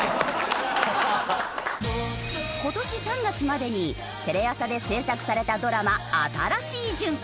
今年３月までにテレ朝で制作されたドラマ新しい順。